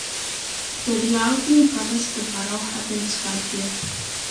The geography and progress of the battle have been described here.